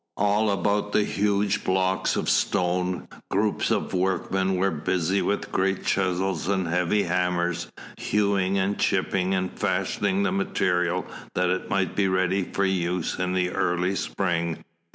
All about the huge blocks of stone, groups of workmen were busy with great chisels and heavy hammers, hewing and chipping and fashioning the material that it might be ready for use in the early spring.